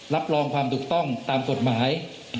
รับรองความถูกต้องตามกฎหมาย